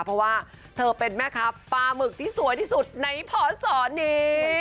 เพราะว่าเธอเป็นแม่ค้าปลาหมึกที่สวยที่สุดในพศนี้